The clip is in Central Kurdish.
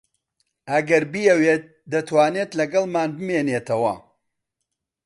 ئەگەر بیەوێت دەتوانێت لەگەڵمان بمێنێتەوە.